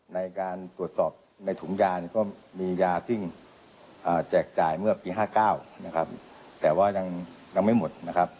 ในการตรวจสอบในถุงยาก็มียาที่แจกจ่ายเมื่อปี๕๙แต่ว่ายังไม่หมด